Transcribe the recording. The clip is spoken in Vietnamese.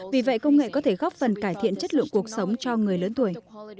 vì vậy công nghệ có thể góp phần cải thiện chất lượng cuộc sống cho người lớn tuổi